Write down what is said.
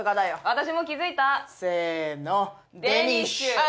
私も気づいたせーのあ